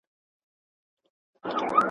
ملا خپلې سترګې پټوي.